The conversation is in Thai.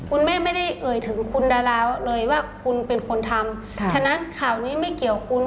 คุณแม่ไม่ได้เอ่ยถึงคุณดาราเลยว่าคุณเป็นคนทำฉะนั้นข่าวนี้ไม่เกี่ยวคุณ